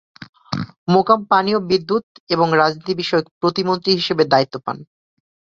মোকাম পানি ও বিদ্যুৎ এবং রাজনীতি বিষয়ক প্রতিমন্ত্রী হিসেবে দায়িত্ব পান।